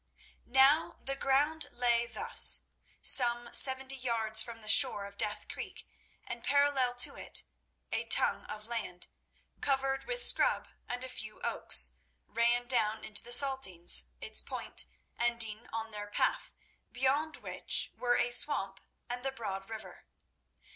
Now the ground lay thus. Some seventy yards from the shore of Death Creek and parallel to it, a tongue of land, covered with scrub and a few oaks, ran down into the Saltings, its point ending on their path, beyond which were a swamp and the broad river.